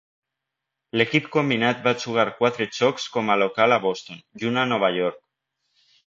L'equip combinat va jugar quatre jocs com a local a Boston i un a Nova York.